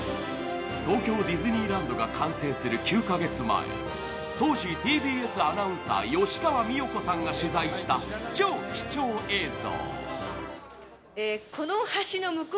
東京ディズニーランドが完成する９か月前、当時ＴＢＳアナウンサー、吉川美代子さんが取材した超貴重映像。